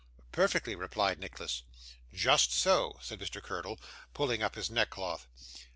'Perfectly,' replied Nicholas. 'Just so,' said Mr. Curdle, pulling up his neckcloth.